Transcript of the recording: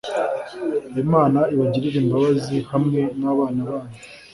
Imana ibagirire imbabazi hamwe nabana banyu